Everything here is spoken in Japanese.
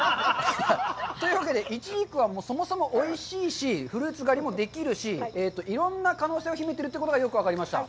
というわけでいちじくはそもそもおいしいし、フルーツ狩りもできるし、いろんな可能性を秘めてるということがよく分かりました。